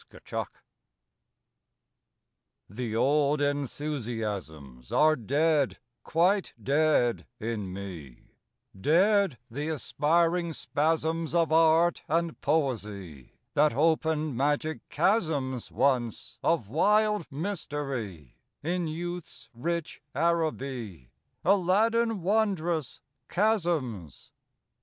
AFTERWORD _The old enthusiasms Are dead, quite dead, in me; Dead the aspiring spasms Of art and poesy, That opened magic chasms, Once, of wild mystery, In youth's rich Araby, Aladdin wondrous chasms.